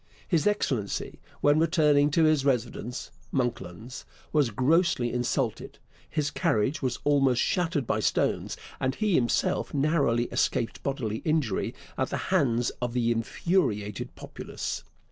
His Excellency, when returning to his residence, 'Monklands,' was grossly insulted, his carriage was almost shattered by stones, and he himself narrowly escaped bodily injury at the hands of the infuriated populace.